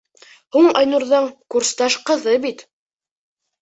Һуң Айнурҙың курсташ ҡыҙы бит.